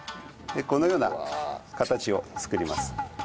このような形を作ります。